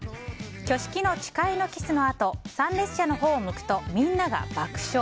挙式の誓いのキスのあと参列者のほうを向くとみんなが爆笑。